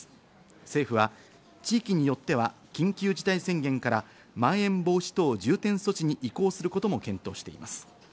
政府は地域によっては緊急事態宣言からまん延防止等重点措置に移行することも検討しています。